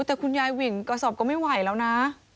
แต่คุณยายวิ่งกระสอบก็ไม่ไหวแล้วนะ